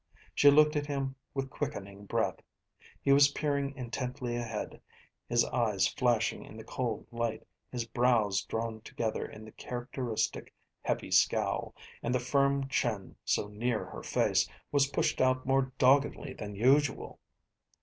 She looked at him with quickening breath. He was peering intently ahead, his eyes flashing in the cold light, his brows drawn together in the characteristic heavy scowl, and the firm chin, so near her face, was pushed out more doggedly than usual.